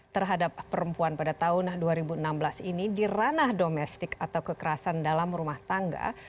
terhadap perempuan pada tahun dua ribu enam belas ini di ranah domestik atau kekerasan dalam rumah tangga